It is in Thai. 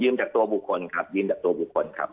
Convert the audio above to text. จากตัวบุคคลครับยืมจากตัวบุคคลครับ